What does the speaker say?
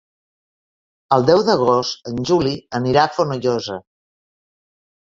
El deu d'agost en Juli anirà a Fonollosa.